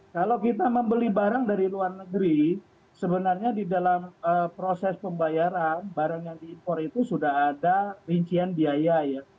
kalau kita membeli barang dari luar negeri sebenarnya di dalam proses pembayaran barang yang diimpor itu sudah ada rincian biaya ya